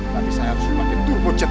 tapi saya harus memakai durmocet